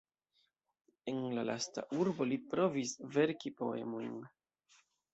En la lasta urbo li provis verki poemojn.